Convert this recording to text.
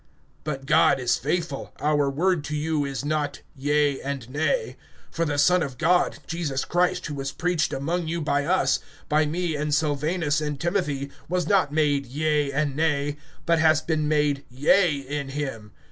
(18)But God is faithful, our word to you is not yea and nay. (19)For the Son of God, Jesus Christ, who was preached among you by us, by me and Silvanus and Timothy, was not made yea and nay, but has been made yea in him.